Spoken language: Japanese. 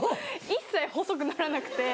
一切細くならなくて。